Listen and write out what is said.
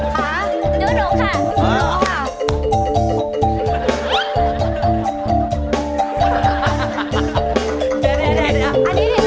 ค่ะดูหนูค่ะดูหนูค่ะ